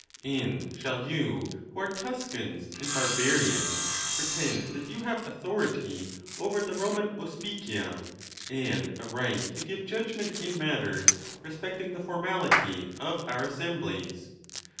And shall you, who are Tuscans and Barbarians, pretend that YOU have authority over the Roman Auspicia, and a right to give judgment in matters respecting the formality of our assemblies